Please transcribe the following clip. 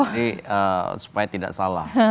jadi supaya tidak salah